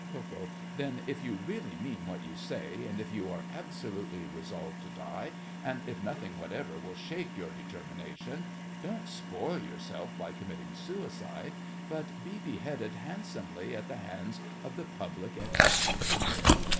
KO. Then, if you really mean what you say, and if you are absolutely resolved to die, and if nothing whatever will shake your determination—don't spoil yourself by committing suicide, but be beheaded handsomely at the hands of the Public Executioner!